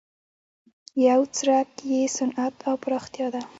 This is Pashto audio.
یو څرک یې صنعت او پراختیا ده.